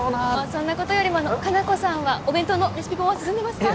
そんなことよりも果奈子さんはお弁当のレシピ本は進んでますか？